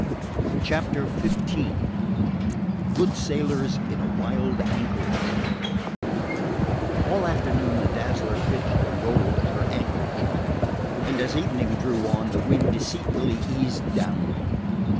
CHAPTER XV GOOD SAILORS IN A WILD ANCHORAGE All afternoon the Dazzler pitched and rolled at her anchorage, and as evening drew on the wind deceitfully eased down.